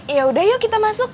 yaudah yuk kita masuk